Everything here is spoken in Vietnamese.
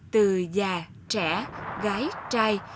từ già trẻ gái trai